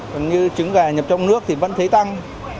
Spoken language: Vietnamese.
còn như trứng gà nhập trong nước thì vẫn thấy tăng